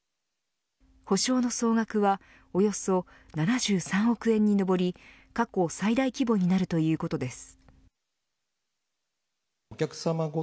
補償の総額はおよそ７３億円に上り過去最大規模になるということです。